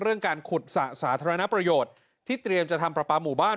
การขุดสระสาธารณประโยชน์ที่เตรียมจะทำประปาหมู่บ้าน